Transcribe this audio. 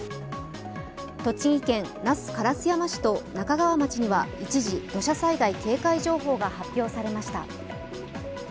栃木県那須烏山市と那珂川町には一時、土砂災害警戒情報が発表されました。